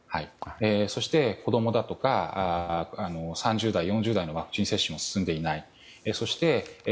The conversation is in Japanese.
そして、子供とか３０代４０代のワクチン接種も進んでいない。